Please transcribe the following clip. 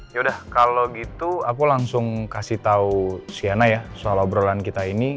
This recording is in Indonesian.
yaudah kalau gitu aku langsung kasih tau sienna ya soal obrolan kita ini